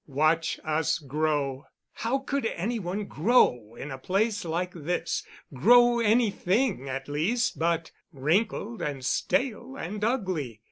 "Watch Us Grow!" How could any one grow in a place like this—grow anything, at least, but wrinkled and stale and ugly.